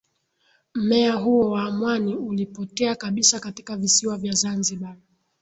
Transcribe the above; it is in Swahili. Mmea huo wa mwani ulipotea kabisa katika visiwa vya Zanzibar